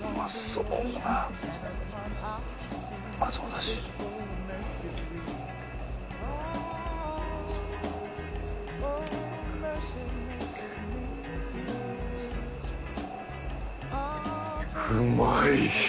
うまい！